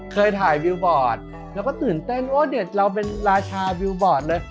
เคยถ่ายวิวบอร์ดแล้วก็ตื่นเต้นโอ้เด็ดเราเป็นราชาวิวบอร์ดเลย